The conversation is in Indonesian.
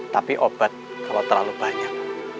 tapi obat kalau terlalu banyak